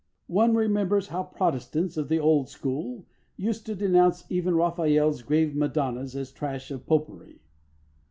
One remembers how Protestants of the old school used to denounce even Raphael's grave Madonnas as trash of Popery.